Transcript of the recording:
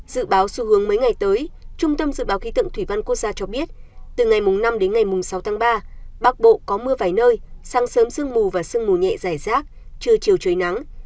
dự báo xu hướng mấy ngày tới trung tâm dự báo khí tượng thủy văn quốc gia cho biết từ ngày năm đến ngày sáu tháng ba bắc bộ có mưa vài nơi sáng sớm sương mù và sương mù nhẹ dài rác trưa chiều trời nắng